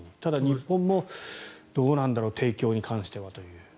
ただ、日本もどうなんだろう提供に関してはと。